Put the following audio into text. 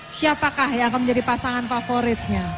siapakah yang akan menjadi pasangan favoritnya